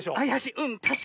うんたしかに！